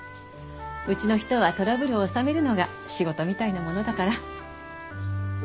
うちの人はトラブルを収めるのが仕事みたいなものだから。